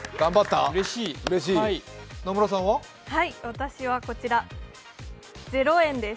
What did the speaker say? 私はこちら０円です。